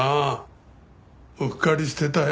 うっかりしてたよ。